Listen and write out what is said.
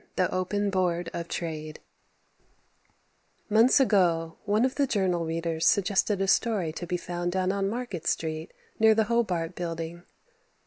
The Open Board of Trade Months ago one of The Journal readers suggested a story to be found down on Market street near the Hobart building.